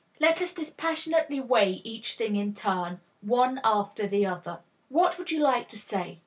Let us dispassionately weigh each thing in turn, one after the other. What would you like to say?